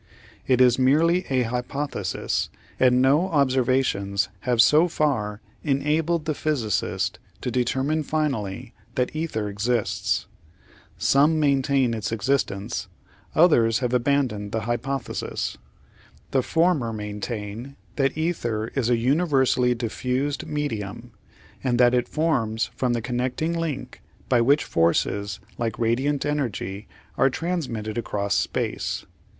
It is merely a hypothesis, and no observations have so far enabled the physicist to determine finally that ether exists. Some maintain its existence, others have abandoned the hypo thesis. The former maintain that ether is a universally diffused medium and that it forms the connecting link by which forces like radiant energy are transmitted across space.